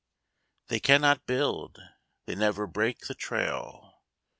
They cannot build, they never break the trail.